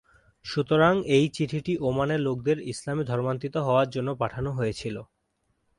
সুতরাং এই চিঠিটি ওমানের লোকদের ইসলামে ধর্মান্তরিত হওয়ার জন্য পাঠানো হয়েছিল।